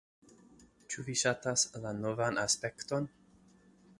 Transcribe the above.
Ĉu vi ŝatas la novan aspekton?